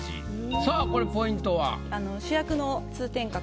さあこれポイントは？